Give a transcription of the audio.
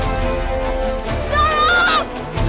uh yangesterdepo burton